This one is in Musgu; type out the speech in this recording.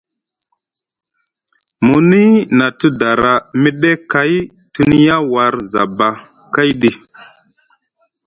Muni na te dara miɗe kay te niya war zaba kay ɗi.